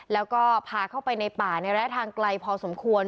แล้วก็พาเข้าไปในป่าในระยะทางไกลพอสมควร